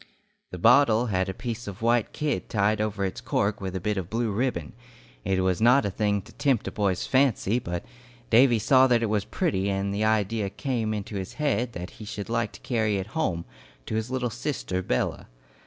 The bottle had a piece of white kid tied over its cork with a bit of blue ribbon. It was not a thing to tempt a boy's fancy, but Davy saw that it was pretty, and the idea came into his head that he should like to carry it home, to his little sister Bella.